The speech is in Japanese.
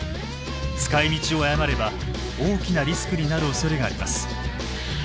使いみちを誤れば大きなリスクになるおそれがあります。